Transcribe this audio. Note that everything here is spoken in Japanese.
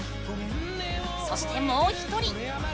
そしてもう１人。